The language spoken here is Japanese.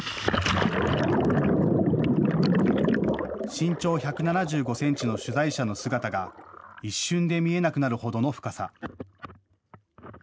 身長１７５センチの取材者の姿が一瞬で見えなくなるほどの深さ。